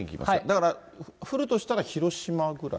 だから降るとしたら広島ぐらい？